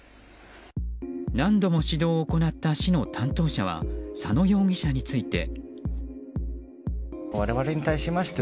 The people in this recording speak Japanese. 何度も指導を行った市の担当者は佐野容疑者について。